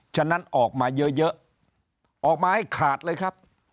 ฉะนั้นออกมาเยอะออกมาให้ขาดเลยครับ